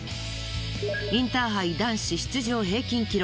インターハイ男子出場平均記録